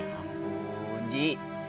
ya ampun ji